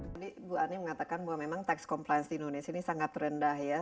tadi bu ani mengatakan bahwa memang tax compliance di indonesia ini sangat rendah ya